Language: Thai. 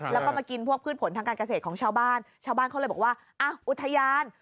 แล้วก็มากินพวกพืชผลทางการเกษตรของชาวบ้านชาวบ้านเขาเลยบอกว่าอ่ะอุทยาน